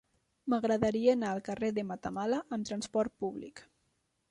M'agradaria anar al carrer de Matamala amb trasport públic.